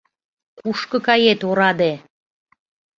Кушко кает, ораде!